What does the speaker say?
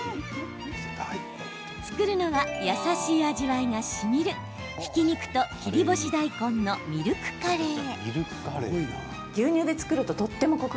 作るのは優しい味わいがしみるひき肉と切り干し大根のミルクカレー。